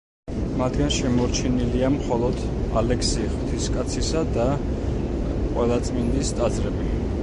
მათგან შემორჩენილია მხოლოდ ალექსი ღვთისკაცისა და ყველაწმინდის ტაძრები.